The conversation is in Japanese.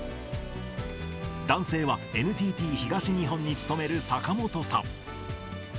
男性はＮＴＴ東日本に勤める坂本さん。